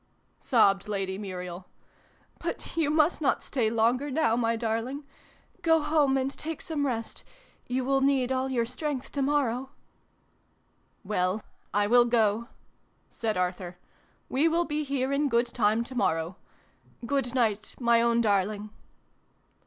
sobbed Lady Muriel. "But you must not stay longer now, my darling ! Go home and take some rest. You will need all your strength to morrow 14 Well, I will go," said Arthur. " We will be here in good time to morrow. Good night, my own own darling